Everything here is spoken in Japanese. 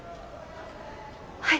はい。